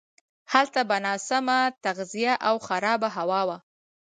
هلته به ناسمه تغذیه او خرابه هوا وه.